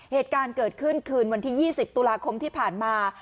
เหตุการณ์เกิดขึ้นคืนวันที่๒๐ตุลาคมที่ผ่านมา